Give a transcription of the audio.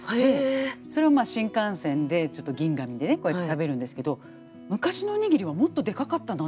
それを新幹線でちょっと銀紙でねこうやって食べるんですけど昔のおにぎりはもっとでかかったなと思って。